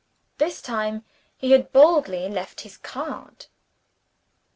This time he had boldly left his card.